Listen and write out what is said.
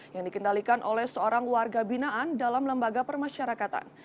yang dikendalikan oleh seorang warga binaan dalam lembaga permasyarakatan